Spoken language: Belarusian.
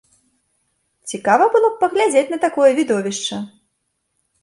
Цікава было б паглядзець на такое відовішча!